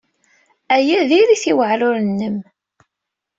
Aya diri-t i uɛrur-nnem.